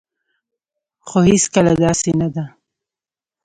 خو هيڅکله داسي نه ده